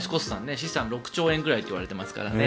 資産が６兆円ぐらいといわれていますからね。